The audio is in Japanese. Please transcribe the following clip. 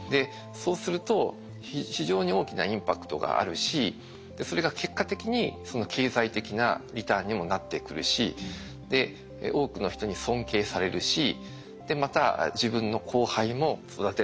そうすると非常に大きなインパクトがあるしそれが結果的に経済的なリターンにもなってくるし多くの人に尊敬されるしまた自分の後輩も育てられる。